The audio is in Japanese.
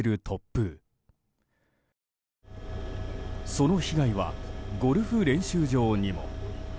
その被害は、ゴルフ練習場にも。